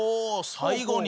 最後に。